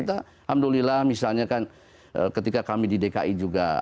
alhamdulillah misalnya kan ketika kami di dki juga